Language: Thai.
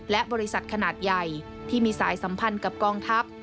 และบริษัทขนาดใหญ่ที่มีสายสัมพันธ์กับกองทัพ